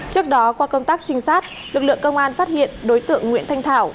trước đó qua công tác trinh sát lực lượng công an phát hiện đối tượng nguyễn thanh thảo